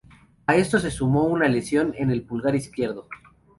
A esto se sumó una lesión en el pulgar izquierdo.